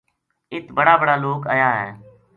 اِت بڑا بڑا لوک آیا ہے